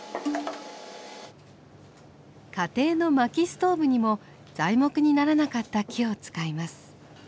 家庭の薪ストーブにも材木にならなかった木を使います。